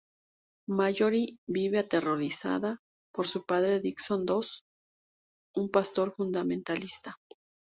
Mallory vive aterrorizada por su padre Dixon Doss, un pastor Fundamentalista.